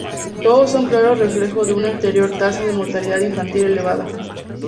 Todos son claro reflejo de una anterior tasa de mortalidad infantil elevada.